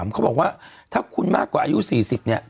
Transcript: เขาบอกว่าถ้าคุณมากกว่าอายุ๔๐เนี่ย